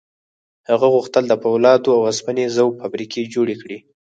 هغه غوښتل د پولادو او اوسپنې ذوب فابریکې جوړې کړي